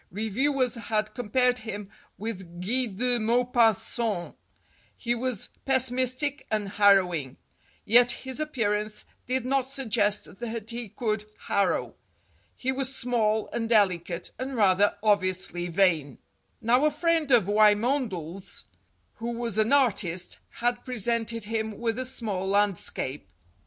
Reviewers had compared him with Guy de Maupassant. He was pessimistic and harrowing. Yet his appearance did not suggest that he could harrow. He was small and delicate, and rather obviously vain. Now a friend of Wymondel's, who was an artist, had presented him with a small landscape.